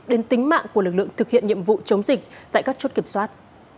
đến tính mạng của lực lượng thực hiện nhiệm vụ chống dịch tại các chốt kiểm soát